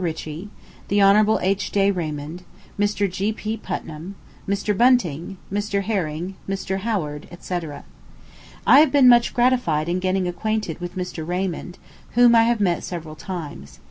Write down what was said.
Ritchie, Hon. H.J. Raymond, Mr. G.P. Putnam, Mr. Bunting, Mr. Herring, Mr. Howard, &c. I have been much gratified in getting acquainted with Mr. Raymond, whom I have met several times.